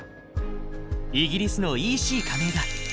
イギリスのＥＣ加盟だ。